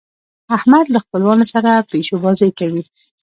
احمد له خپلوانو سره پيشو بازۍ کوي.